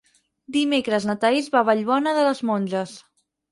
Dimecres na Thaís va a Vallbona de les Monges.